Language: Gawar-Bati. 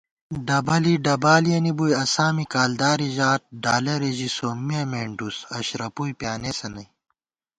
ڈبَلی ڈبالِیَنی بُوئی، اساں می کالداری ژات * ڈالَرے ژی سومّیہ مېنڈُوس، اشرَپُوئی پیانېسہ نئ